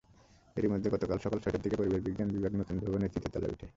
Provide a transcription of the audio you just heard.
এরই মধ্যে গতকাল সকাল ছয়টার দিকে পরিবেশবিজ্ঞান বিভাগ নতুন ভবনের তৃতীয় তলায় ওঠে।